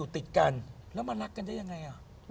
ถ้ามารักกันได้ยังไง